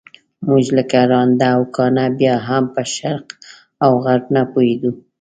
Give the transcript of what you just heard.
موږ لکه ړانده او کاڼه بیا هم په شرق او غرب نه پوهېدو.